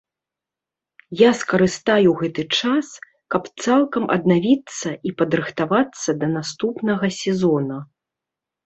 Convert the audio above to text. Я скарыстаю гэты час, каб цалкам аднавіцца і падрыхтавацца да наступнага сезона.